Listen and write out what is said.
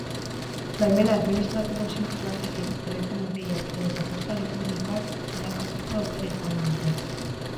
Baimen administratibo sinple batekin, telefono-deiak edota posta elektronikoak zelatatzeko aukera izango dute.